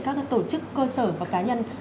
các tổ chức cơ sở và cá nhân